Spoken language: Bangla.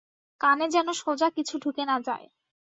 কানে যেন সোজা কিছু ঢুকে না যায়।